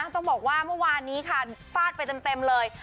ต้องบอกว่าเมื่อวานนี้ค่ะฟาดไปเต็มเลย